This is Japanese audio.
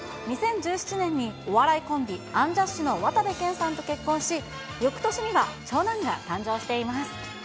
２０１７年にお笑いコンビ、アンジャッシュの渡部建さんと結婚し、よくとしには長男が誕生しています。